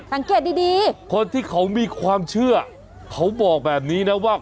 สังเกตดีคนที่เขามีความเชื่อเขาบอกแบบนี้นะว่า